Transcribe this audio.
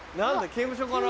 刑務所かな？